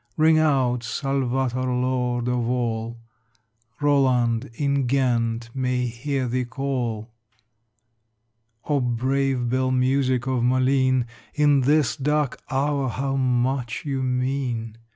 Ring out, "Salvator," lord of all, "Roland" in Ghent may hear thee call! O brave bell music of Malines, In this dark hour how much you mean!